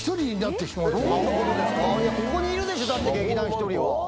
ここにいるでしょだって劇団ひとりは。